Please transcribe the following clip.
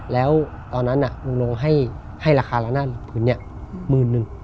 แล้วตอนนั้นน่ะลูกน้องให้ราคาร้านนั้นคืนนี่หมื่นนึง